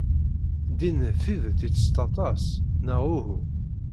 Dean d tidet ittett aṭas, neɣ uhu?